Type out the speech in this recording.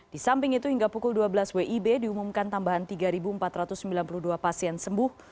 di samping itu hingga pukul dua belas wib diumumkan tambahan tiga empat ratus sembilan puluh dua pasien sembuh